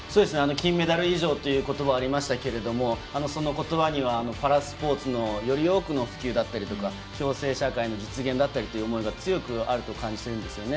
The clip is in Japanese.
金メダル以上ということばがありましたけれどもそのことばにはパラスポーツのより多くの普及だったり共生社会の実現だったりという思いを強く感じてるんですよね。